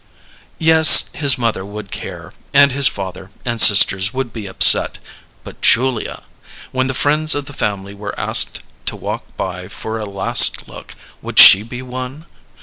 Yes, his mother would care, and his father and sisters would be upset, but Julia when the friends of the family were asked to walk by for a last look, would she be one?